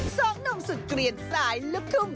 สองน้องสุดเกลียดสายลึกทุ่ม